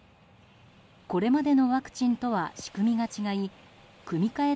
これまでのワクチンとは仕組みが違い組換え